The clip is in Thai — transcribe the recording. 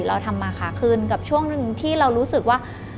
เราทำมาค้าขึ้นกับช่วงหนึ่งที่เรารู้สึกว่า